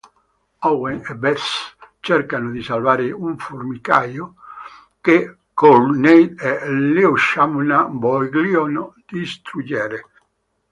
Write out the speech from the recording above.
Owen e Beth cercano di salvare un formicaio che Courtney e LeShawna vogliono distruggere.